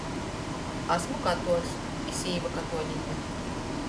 Asmu katuoļs, i sīva katuolīte.